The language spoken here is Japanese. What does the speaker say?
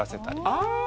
ああ。